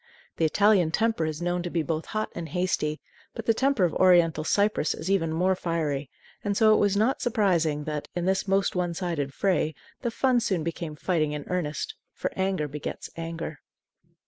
The Italian temper is known to be both hot and hasty; but the temper of oriental Cyprus is even more fiery, and so it was not surprising that, in this most one sided fray, the fun soon became fighting in earnest; for anger begets anger.